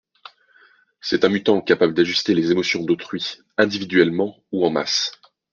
C'est un mutant capable d'ajuster les émotions d'autrui, individuellement ou en masse.